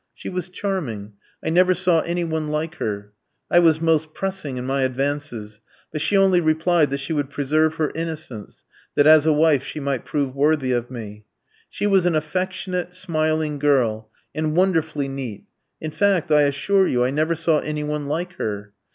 She was charming. I never saw any one like her. I was most pressing in my advances; but she only replied that she would preserve her innocence, that as a wife she might prove worthy of me. She was an affectionate, smiling girl, and wonderfully neat. In fact, I assure you, I never saw any one like her.